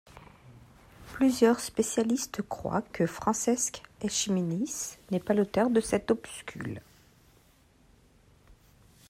Plusieurs spécialistes croient que Francesc Eiximenis n'est pas l'auteur de cet opuscule.